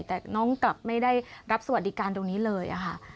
แต่น้องกลับไม่ได้รับสวัสดิการตรงนี้เลยค่ะ